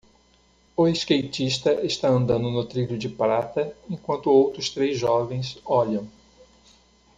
O skatista está andando no trilho de prata, enquanto outros três jovens olham.